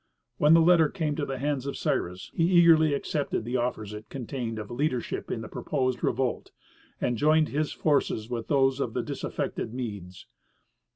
When the letter came to the hands of Cyrus he eagerly accepted the offers it contained of leadership in the proposed revolt, and joined his forces with those of the disaffected Medes.